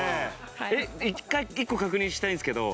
一回一個確認したいんですけど。